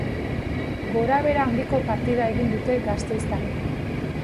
Gorabehera handiko partida egin dute gasteiztarrek.